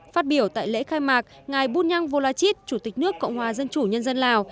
phát biểu tại lễ khai mạc ngài bunyang volachit chủ tịch nước cộng hòa dân chủ nhân dân lào